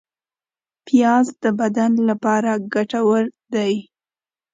پیاز د بدن لپاره ګټور دی